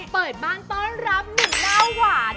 เปิดบ้านต้อนรับ๑ล้าหวาน